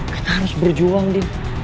kita harus berjuang din